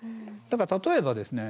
だから例えばですね